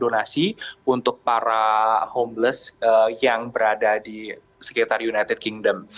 donasi untuk para homeless yang berada di sekitar united kingdom